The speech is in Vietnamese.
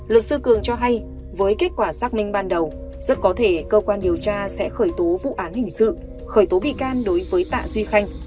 luật sư cường cho hay với kết quả xác minh ban đầu rất có thể cơ quan điều tra sẽ khởi tố vụ án hình sự khởi tố bị can đối với tạ duy khanh